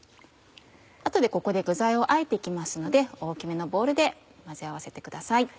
後でここで具材をあえて行きますので大きめのボウルで混ぜ合わせてください。